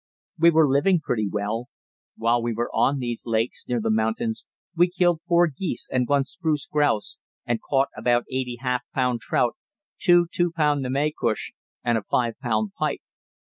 We were living pretty well. While we were on these lakes near the mountains we killed four geese and one spruce grouse, and caught about eighty half pound trout, two two pound namaycush and a five pound pike.